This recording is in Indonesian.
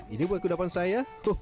ini buat kedapan saya